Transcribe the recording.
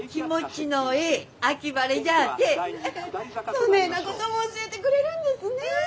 そねえなことも教えてくれるんですねえ。